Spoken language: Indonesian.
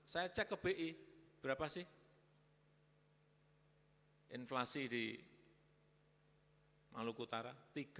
saya cek ke bi berapa sih inflasi di maluku utara